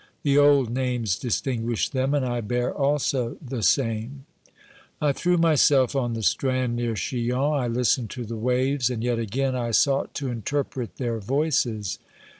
The old names distinguish them, and I bear also the same ! I threw myself on the strand near Chillon ; I listened to the waves, and yet again I sought to interpret their voices.